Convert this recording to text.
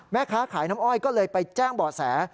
แม่ค้าขายน้ำอ้อยก็เลยไปแจ้งบ่อแส